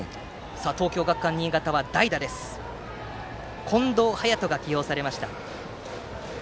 東京学館新潟は代打に近藤颯斗が起用されました。